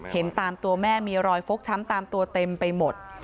ตามตัวแม่มีรอยฟกช้ำตามตัวเต็มไปหมด